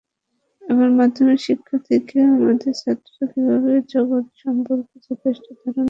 আবার মাধ্যমিক শিক্ষা থেকেও আমাদের ছাত্ররা জীবন-জগৎ সম্পর্কে যথেষ্ট ধারণা পায় না।